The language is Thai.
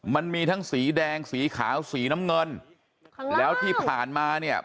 มันมีทั้งสีแดงสีขาวสีน้ำเงินแล้วที่ผ่านมาเนี่ย